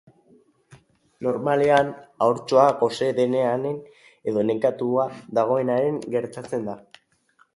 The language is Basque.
Normalean, haurtxoa gose denean edo nekatuta dagoenean gertatzen da.